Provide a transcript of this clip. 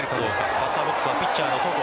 バッターボックスはピッチャーの戸郷。